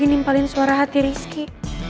ini nimpalin suara hati rizky